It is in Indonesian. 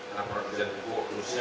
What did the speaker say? karena perkembangan pupuk di rusia